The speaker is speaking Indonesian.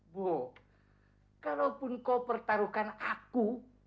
bu kalaupun kau pertaruhkan aku